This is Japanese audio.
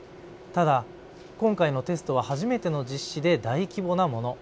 ただ今回のテストは初めての実施で大規模なもの。